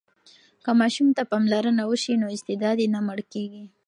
که ماشوم ته پاملرنه وسي نو استعداد یې نه مړ کېږي.